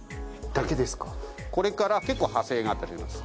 これから結構派生があったりします。